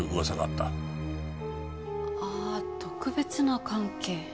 ああ特別な関係。